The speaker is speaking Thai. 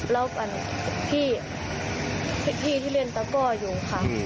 แล้วก็พี่ที่เรียนตะกอ่อยู่ค่ะ